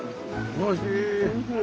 おいしい。